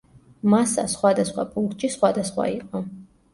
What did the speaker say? მასა სხვადასხვა პუნქტში სხვადასხვა იყო.